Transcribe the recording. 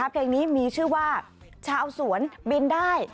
เพลงนี้มีชื่อว่าชาวสวนบินได้